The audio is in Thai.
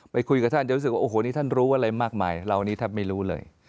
ไปคุยกับท่านจะรู้ว่าโอ้โหนี่ท่านรู้อะไรมากมายเราอันนี้ท่านไม่รู้เลย